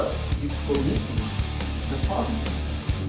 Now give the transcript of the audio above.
kepentingan yang saya perlukan